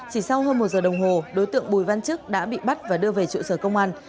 chỉ sau hơn một giờ đồng hồ đối tượng bùi văn chức đã bị bắt và đưa về trụ sở công an